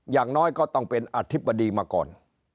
อย่างน้อยก็ต้องเป็นอธิบดีมาก่อน